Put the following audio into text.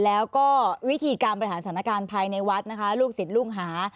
แล้วก็วิธีการบริหารสถานการณ์ภายในวัดนะคะลูกศิษย์ลูกหา